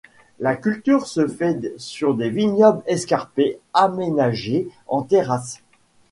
La culture se fait sur des vignobles escarpés, aménagés en terrasses.